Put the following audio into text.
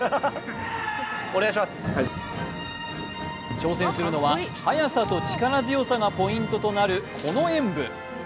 挑戦するのは速さと力強さがポイントとなる、この演武。